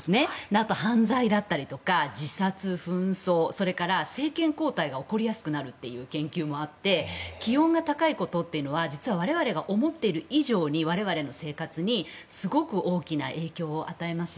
あと犯罪だったりとか自殺、紛争それから政権交代が起こりやすくなるという研究もあって気温が高いことというのは実は我々が思っている以上に我々の生活にすごく大きな影響を与えます。